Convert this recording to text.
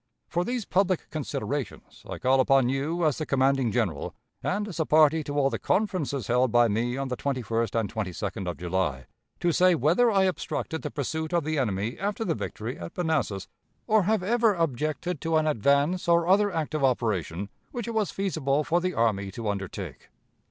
For these public considerations, I call upon you, as the commanding general, and as a party to all the conferences held by me on the 21st and 22d of July, to say whether I obstructed the pursuit of the enemy after the victory at Manassas, or have ever objected to an advance or other active operation which it was feasible for the army to undertake.